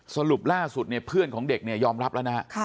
สรุปล่าสุดเพื่อนของเด็กมันยอมรับหรือนะ